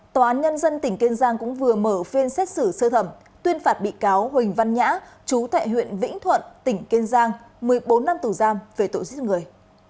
tòa án nhân dân tỉnh kiên giang cũng vừa mở phiên xét xử sơ thẩm tuyên phạt bị cáo huỳnh văn nhã chú thệ huyện vĩnh thuận tỉnh kiên giang một mươi bốn năm tù giam về tội giết người